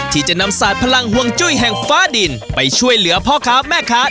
ต้องดูเพราะสามารถนำไปปรับใช้ได้ด้วยเหมือนกันครับ